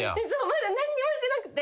まだ何にもしてなくて。